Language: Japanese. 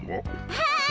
はい。